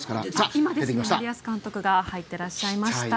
今、出てきました森保監督が入ってらっしゃいました。